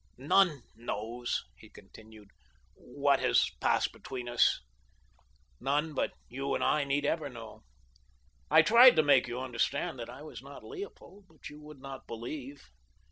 "None knows," he continued, "what has passed between us. None but you and I need ever know. I tried to make you understand that I was not Leopold; but you would not believe.